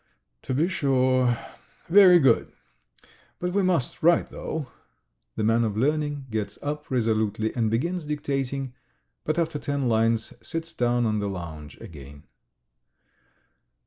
"To be sure ... very good. But we must write, though." The man of learning gets up resolutely and begins dictating, but after ten lines sits down on the lounge again.